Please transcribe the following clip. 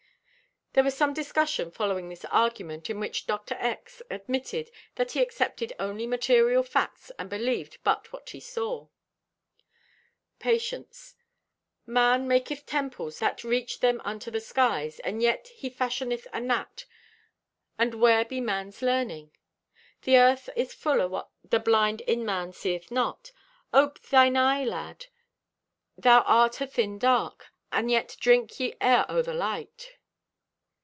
There was some discussion following this argument in which Dr. X. admitted that he accepted only material facts and believed but what he saw. Patience.—"Man maketh temples that reach them unto the skies, and yet He fashioneth a gnat, and where be man's learning! "The earth is full o' what the blind in man seeth not. Ope thine eye, lad. Thou art athin dark, and yet drink ye ever o' the light."